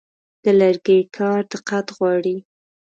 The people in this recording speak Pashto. د لرګي کار دقت غواړي.